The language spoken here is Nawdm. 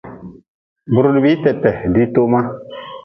Bi rudbii tete diitoma.